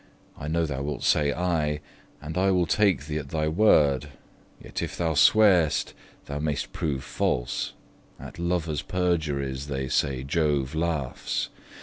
I know thou wilt say, aye, And I will take thee at thy word Yet if thou swear'st, Thou may'st prove false; at lovers' perjuries They say Jove laughs.